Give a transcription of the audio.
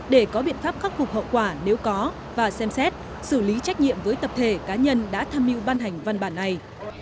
để có biện pháp khắc phục hậu quả nếu có và xem xét xử lý trách nhiệm với tập thể cá nhân đã tham mưu ban hành văn bản này